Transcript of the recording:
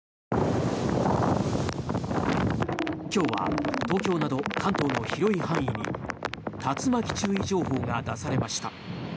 今日は東京など関東の広い範囲に竜巻注意情報が出されました。